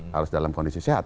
harus dalam kondisi sehat